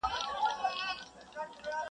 څه چي وایم دروغ نه دي حقیقت دی-